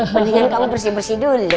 mendingan kamu bersih bersih dulu